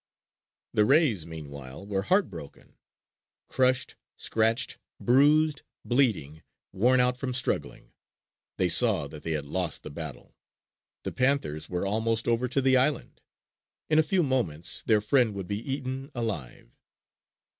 The rays, meanwhile, were heart broken. Crushed, scratched, bruised, bleeding, worn out from struggling, they saw that they had lost the battle. The panthers were almost over to the island. In a few moments their friend would be eaten alive!